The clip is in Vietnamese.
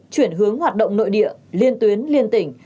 chuyển hướng hoạt động nội địa liên tuyến liên tỉnh